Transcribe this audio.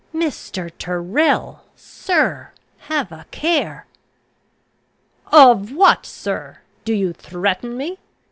"Mr. Tyrrel! sir have a care!" "Of what, sir! Do you threaten me?